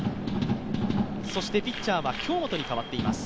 そしてピッチャーは京本に代わっています。